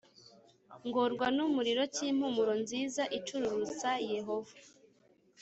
ngorwa n umuriro cy impumuro nziza icururutsa Yehova